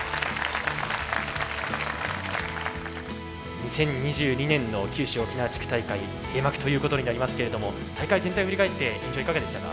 ２０２２年の九州沖縄地区大会閉幕ということになりますけれども大会全体を振り返って印象いかがでしたか？